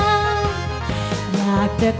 ทั้งในเรื่องของการทำงานเคยทำนานแล้วเกิดปัญหาน้อย